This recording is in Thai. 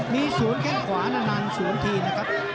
มีศูนย์แข้งขวานานศูนย์ทีนนะครับ